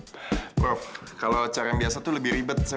prof kalau acara yang biasa tuh lebih ribet